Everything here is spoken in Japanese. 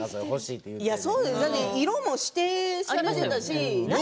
色も指定されていたから。